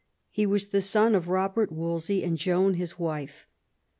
He was the son of Eobert Wolsey and Joan his wife.